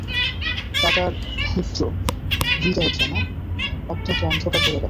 তাতার ক্ষুদ্র হৃদয় যেন অত্যন্ত অন্ধকার হইয়া গেল।